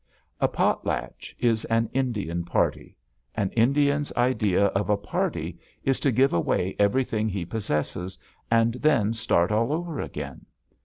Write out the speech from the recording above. A potlatch is an Indian party. An Indian's idea of a party is to give away everything he possesses and then start all over again.